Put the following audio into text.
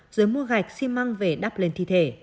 rồi mua gạch xi măng về đắp lên thi thể